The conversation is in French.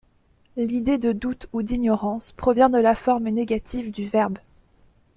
L'idée de doute ou d'ignorance provient de la forme négative du verbe.